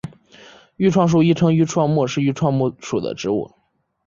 愈创树亦称愈创木是愈创木属的植物。